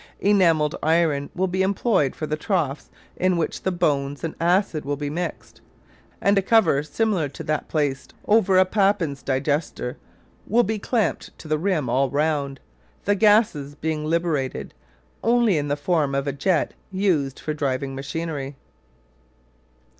Enamelled iron will be employed for the troughs in which the bones and acid will be mixed, and a cover similar to that placed over a "Papin's digester" will be clamped to the rim all round, the gases being liberated only in the form of a jet used for driving machinery.